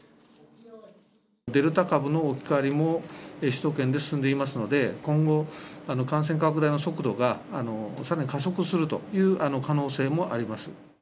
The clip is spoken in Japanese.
デルタ株の置き換わりも首都圏で進んでいますので、今後、感染拡大の速度がさらに加速するという可能性もあります。